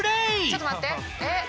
ちょっと待ってえっ？